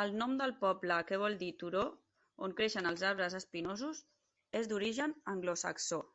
El nom del poble, que vol dir "turó on creixen els arbres espinosos", és d'origen anglosaxó.